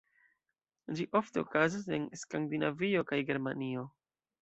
Ĝi ofte okazas en Skandinavio kaj Germanio.